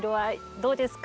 どうですか？